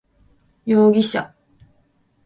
容疑者